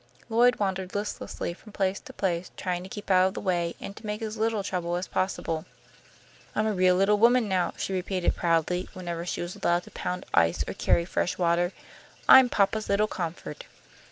Lloyd wandered listlessly from place to place, trying to keep out of the way, and to make as little trouble as possible. "I'm a real little woman now," she repeated, proudly, whenever she was allowed to pound ice or carry fresh water. "I'm papa's little comfort."